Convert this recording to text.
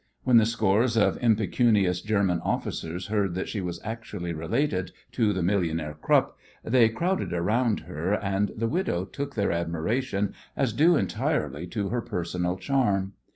When the scores of impecunious German officers heard that she was actually related to the millionaire Krupp they crowded round her, and the widow took their admiration as due entirely to her personal charm!